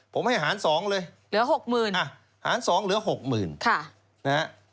ผมให้หารสองเลยหารสองเหลือหกหมื่นนะฮะ